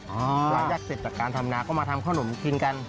หลังจากเสร็จจากการทำนาก็มาทำขนมกินกัน